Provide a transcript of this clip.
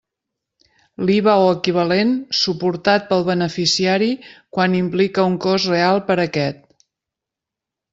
L'IVA o equivalent, suportat pel beneficiari quan implique un cost real per a aquest.